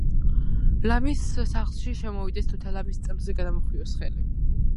ლამის სახლში შემოვიდეს თუთა ლამის წელზე გადამხვიოს ხელი